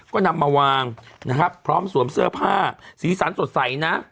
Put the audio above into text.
ก็นำมาวางนะครับพร้อมสวมเสื้อผ้าสีสันสดใสนะ